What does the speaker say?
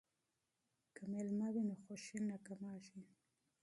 که میله وي نو خوښي نه کمېږي.